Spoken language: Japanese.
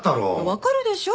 分かるでしょ。